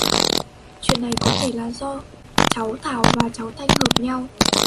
Chuyện này Có Thể Là do cháu Thảo và cháu thanh hợp nhau